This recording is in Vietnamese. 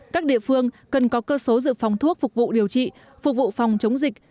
các địa phương cần có cơ số dự phòng thuốc phục vụ điều trị phục vụ phòng chống dịch